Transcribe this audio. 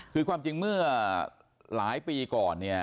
คือความจริงเมื่อหลายปีก่อนเนี่ย